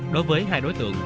đối với hai đối tượng